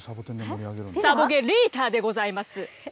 サボゲリータでございます。